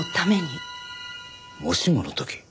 もしもの時？